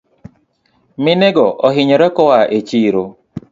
Minego ohinyore koa echiro